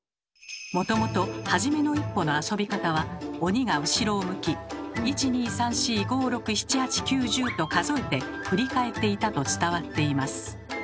もともと「はじめの一歩」の遊び方は鬼が後ろを向き「１２３４５６７８９１０」と数えて振り返っていたと伝わっています。